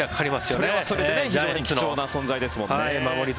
それはそれで貴重な存在ですもんね。